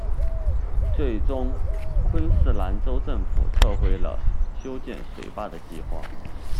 最终昆士兰州政府撤回了修建水坝的计划。